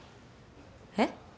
えっ？